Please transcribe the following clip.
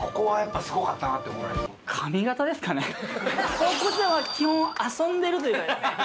高校時代は基本遊んでるというか。